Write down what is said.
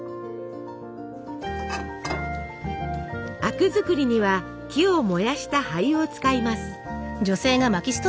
灰汁作りには木を燃やした灰を使います。